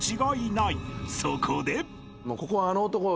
［そこで！］